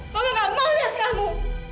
mama gak mau lihat kamu